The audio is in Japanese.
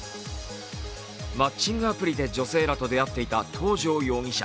マッチングアプリで女性らと出会っていた東條容疑者。